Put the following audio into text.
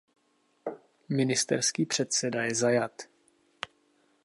Ministerský předseda je zajat.